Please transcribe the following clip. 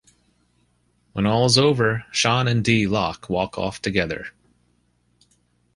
When all is over, Sean and Dee Loc walk off together.